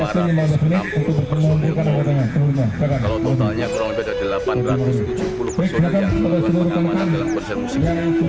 kalau totalnya kurang lebih ada delapan ratus tujuh puluh personil yang melakukan pengamanan dalam konser musik